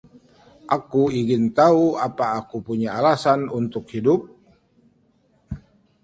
Aku ingin tahu apa aku punya alasan untuk hidup?